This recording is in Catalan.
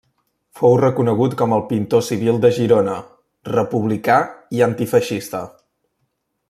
Fou reconegut com el pintor civil de Girona, republicà i antifeixista.